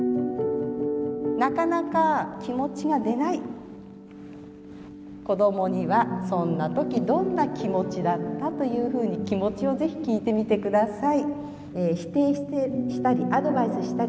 なかなか気持ちが出ない子どもには「そんな時どんな気持ちだった？」というふうに気持ちを是非聴いてみてください。